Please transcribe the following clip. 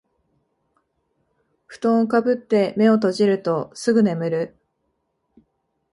ふとんをかぶって目を閉じるとすぐ眠る